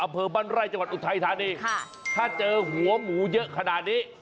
อำเภอบ้านไร่จังหวัดอุทัยธานีค่ะถ้าเจอหัวหมูเยอะขนาดนี้